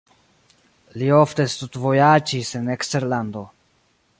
Li ofte studvojaĝis en eksterlando.